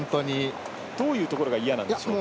どういうところが嫌なんでしょうか？